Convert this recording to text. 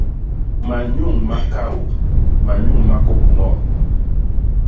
Manyuñ ma kaô; manyuñ ma kôkmot.